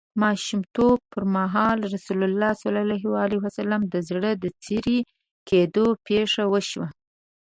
ماشومتوب پر مهال رسول الله ﷺ د زړه د څیری کیدو پېښه وشوه.